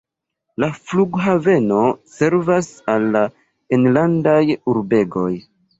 La flughaveno servas al la enlandaj urbegoj.